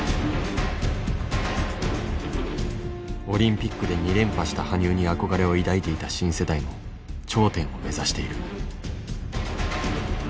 オリンピックで２連覇した羽生に憧れを抱いていた新世代も頂点を目指している。